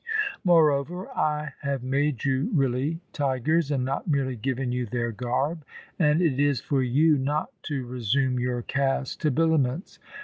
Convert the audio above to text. Moreover, I have made you really tigers, and not merely given you their garb, and it is for you not to resume your caste habiliments.